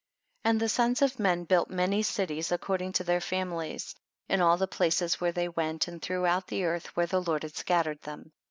4. And the sons of men built many cities according to their fami lies, in all the places where they went, and throughout the earth where the Lord had scattered them.